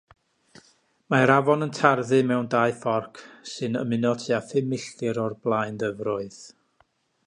Mae'r afon yn tarddu mewn dau fforc, sy'n ymuno tua phum milltir o'r blaenddyfroedd.